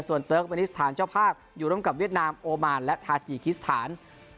เติร์กเมนิสถานเจ้าภาพอยู่ร่วมกับเวียดนามโอมานและทาจิกิสถาน